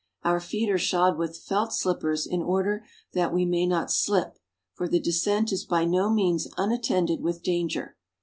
Our feet are shod with felt slippers, in order that we may not slip, for the descent is by no means unattended with danger.